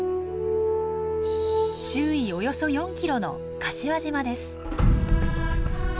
周囲およそ４キロの柏島です。